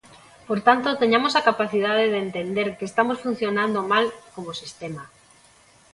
Por tanto, teñamos a capacidade de entender que estamos funcionando mal como sistema.